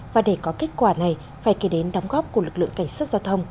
và để có kết quả này phải kể đến đóng góp của lực lượng cảnh sát giao thông